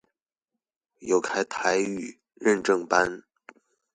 有開台語認證班